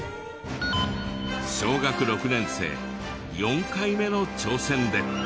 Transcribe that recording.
小学６年生４回目の挑戦で。